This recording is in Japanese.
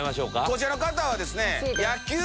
こちらの方はですね。